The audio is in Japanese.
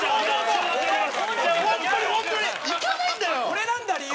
これなんだ理由。